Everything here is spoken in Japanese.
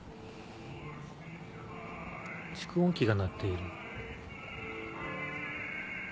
蓄音機が鳴っている。